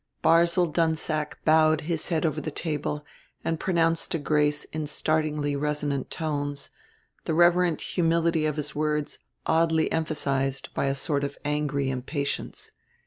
Barzil Dunsack bowed his head over the table and pronounced a grace in startlingly resonant tones, the reverent humility of his words oddly emphasized by a sort of angry impatience.